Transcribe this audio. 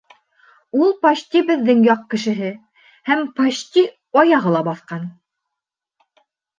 Ул почти беҙҙең яҡ кешеһе һәм почти аяғы ла баҫҡан.